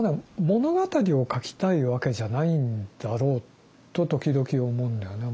物語を書きたいわけじゃないんだろうと時々思うんだよね。